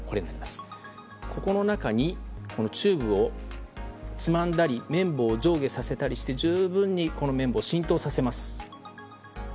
この中に、チューブをつまんだり綿棒を上下させたりして十分に、この綿棒に浸透させます。